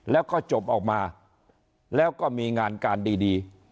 แล้วก็จบออกมาแล้วก็มีงานการดี